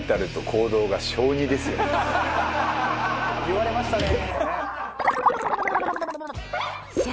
言われましたね。